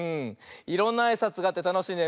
いろんなあいさつがあってたのしいね。